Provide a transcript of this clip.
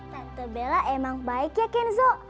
tante bella emang baik ya kenzo